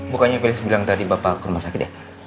bukannya beliau bilang tadi bapak ke rumah sakit ya